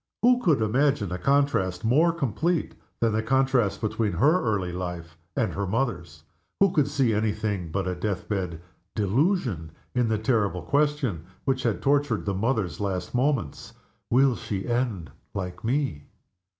Who could imagine a contrast more complete than the contrast between her early life and her mother's? Who could see any thing but a death bed delusion in the terrible question which had tortured the mother's last moments: "Will she end like Me?"